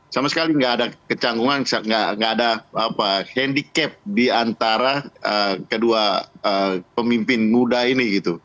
sama sekali tidak ada kecanggungan tidak ada handicap di antara kedua pemimpin muda ini